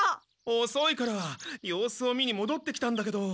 おそいから様子を見にもどってきたんだけど。